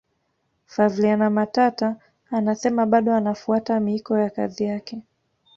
flaviana matata anasema bado anafuata miiko ya kazi yake